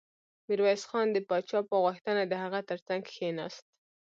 ميرويس خان د پاچا په غوښتنه د هغه تر څنګ کېناست.